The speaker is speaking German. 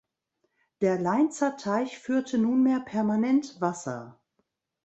Der Lainzer Teich führte nunmehr permanent Wasser.